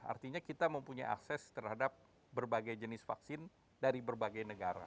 artinya kita mempunyai akses terhadap berbagai jenis vaksin dari berbagai negara